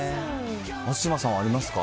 松嶋さんはありますか。